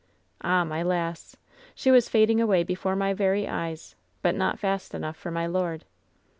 Ah, my lass ! She was fading away before my very eyes. But not fast enough for my lord.